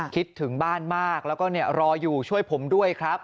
คิดถึงบ้านมากแล้วก็รออยู่ช่วยผมด้วยครับ